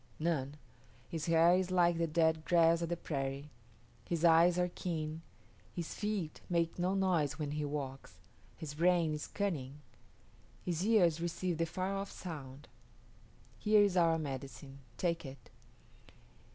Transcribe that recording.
None. His hair is like the dead grass of the prairie; his eyes are keen; his feet make no noise when he walks; his brain is cunning. His ears receive the far off sound. Here is our medicine. Take it."